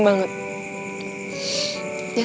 ya senenglah aku pergi dari rumah